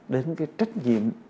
đến cái trách nhiệm